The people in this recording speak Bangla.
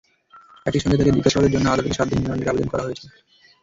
একই সঙ্গে তাঁকে জিজ্ঞাসাবাদের জন্য আদালতে সাত দিনের রিমান্ডের আবেদন করা হয়েছে।